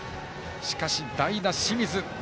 しかし代打、清水。